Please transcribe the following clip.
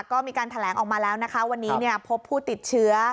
ก็มีการแถลงออกมาแล้วนะคะวันนี้พบผู้ติดเชื้อ